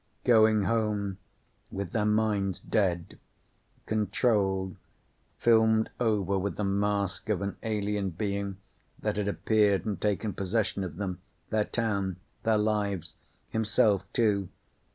Going home with their minds dead. Controlled, filmed over with the mask of an alien being that had appeared and taken possession of them, their town, their lives. Himself, too.